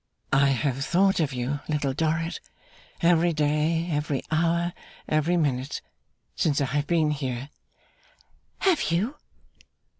'I have thought of you, Little Dorrit, every day, every hour, every minute, since I have been here.' 'Have you?